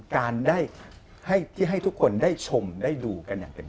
การได้ที่ให้ทุกคนได้ชมได้ดูกันอย่างเต็ม